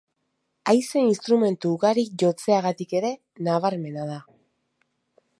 Haize instrumentu ugari jotzeagatik ere nabarmena da.